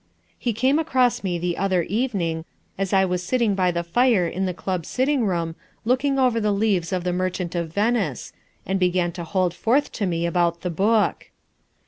He came across me the other evening as I was sitting by the fire in the club sitting room looking over the leaves of The Merchant of Venice, and began to hold forth to me about the book.